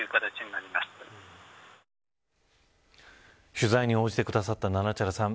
取材に応じてくださったななちゃらさん。